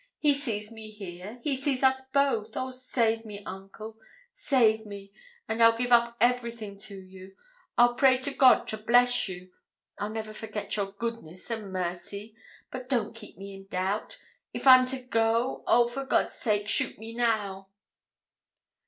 He sees me here. He sees us both. Oh, save me, uncle save me! and I'll give up everything to you. I'll pray to God to bless you I'll never forget your goodness and mercy. But don't keep me in doubt. If I'm to go, oh, for God's sake, shoot me now!'